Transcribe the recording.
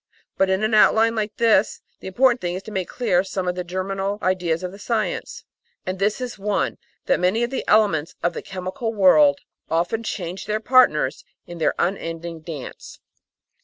But in an Outline like this the important thing is to make clear some of the germinal ideas of the science, and this is one, that many of the elements of the chemical world often change their partners in their unending dance.